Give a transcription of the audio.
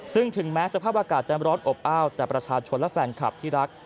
ซึ่งถึงแม้สภาพอากาศจะร้อนอบอ้าวแต่ประชาชนและแฟนคลับที่รัก